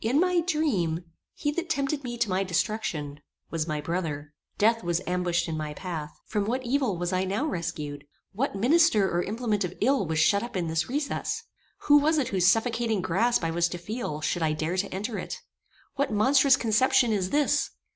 In my dream, he that tempted me to my destruction, was my brother. Death was ambushed in my path. From what evil was I now rescued? What minister or implement of ill was shut up in this recess? Who was it whose suffocating grasp I was to feel, should I dare to enter it? What monstrous conception is this?